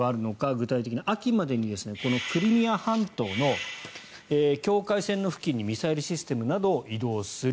具体的に秋までにこのクリミア半島の境界線付近にミサイルシステムなどを移動する。